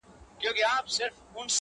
ما پخوا لا طبیبان وه رخصت کړي.!